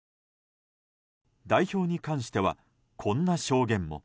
代表に関してはこんな証言も。